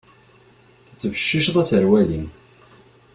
Tettbecciceḍ aserwal-im.